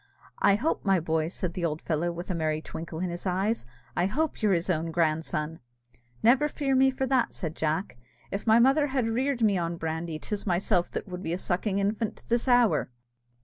I hope, my boy," said the old fellow, with a merry twinkle in his eyes, "I hope you're his own grandson!" "Never fear me for that," said Jack; "if my mother had only reared me on brandy, 'tis myself that would be a sucking infant to this hour!"